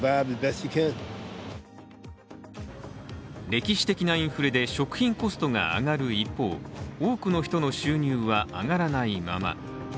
歴史的なインフレで食品コストが上がる一方多くの人の収入は上がらないまま。